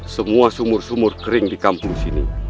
semua sumur sumur kering di kampung sini